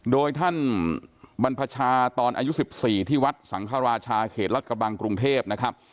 โดยท่านบรรพชาตอนอายุ๑๔ที่วัดสังฆราชาเขตรัฐกระบังกรุงเทพนะครับ